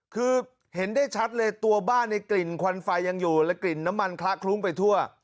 คือเห็นได้ชัดเลยตัวบ้านในกลิ่นควันไฟยังอยู่และกลิ่นน้ำมันคละคลุ้งไปทั่ว